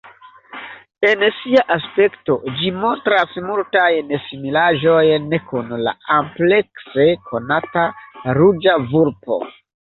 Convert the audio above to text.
En sia aspekto ĝi montras multajn similaĵojn kun la amplekse konata Ruĝa vulpo.